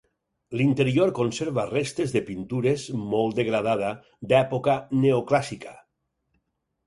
L'interior conserva restes de pintures, molt degradada, d'època neoclàssica.